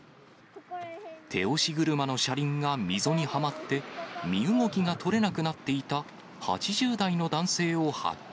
手押し車の車輪が溝にはまって身動きが取れなくなっていた８０代の男性を発見。